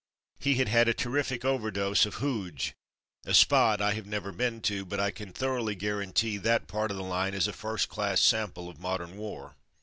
He had had a terrific overdose of Hooge, a spot I have never been to, but I can thoroughly guaran tee that part of the line as a first class sample of modern war.